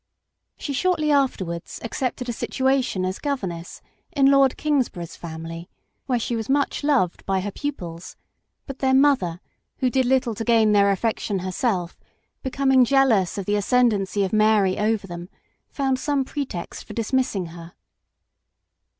She shortly afterwards accepted a situation as governess in Lord Kingsborough's family, where she was much loved by her pupils ; but their mother, who did little to gain their affection herself, becoming jealous of the ascendency of Mary over them, found some pretext for dismissing her.